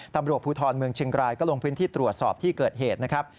ตำรวจภูทรเมืองเชียงรายก็ลงพื้นที่ตรวจสอบที่เกิดเหตุนะครับ